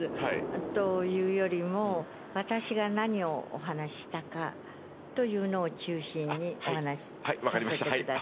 というよりも、私が何をお話したかというのを中心にお話しさせてください。